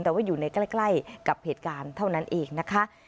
แต่ว่าอยู่ในใกล้กับเหตุการณ์เท่านั้นเองนะคะ